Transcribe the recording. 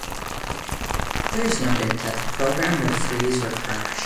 Others noted that the program would freeze or crash.